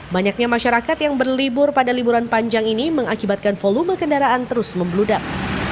banyaknya masyarakat yang berlibur pada liburan panjang ini mengakibatkan volume kendaraan terus membeludak